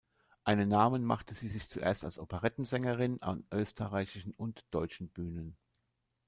Einen Namen machte sie sich zuerst als Operettensängerin an österreichischen und deutschen Bühnen.